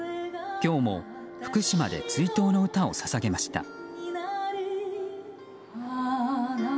今日も福島で追悼の歌を捧げました。